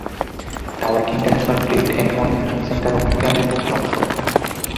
টাওয়ারটি "international trade and convention centre of ইরানের" একটি অংশ।